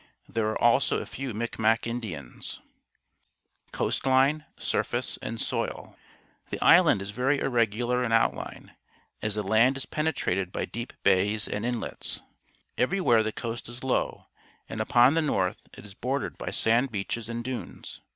There are also a tew ]\Iic mac Indians . Coast line, Surface, and Soil. — The island is very irregular in outhne, as the land is penetrated by deep bays and inlets. Every where the coast is low, and upon the north it is bordered by sand beaches and dunes.